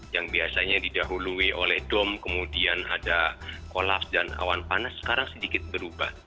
yang biasanya didahului oleh dom kemudian ada kolas dan awan panas sekarang sedikit berubah